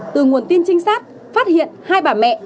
từ nguồn tin trinh sát phát hiện hai bà mẹ